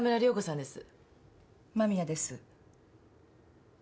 間宮です。